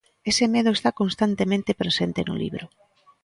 Ese medo está constantemente presente no libro.